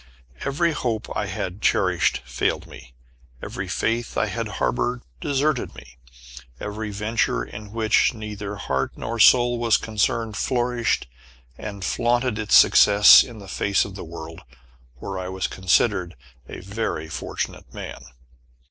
Every hope I had cherished failed me. Every faith I had harbored deserted me. Every venture in which neither heart nor soul was concerned flourished and flaunted its success in the face of the world, where I was considered a very fortunate man.